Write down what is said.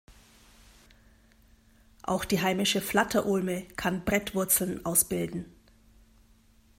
Auch die heimische Flatter-Ulme kann Brettwurzeln ausbilden.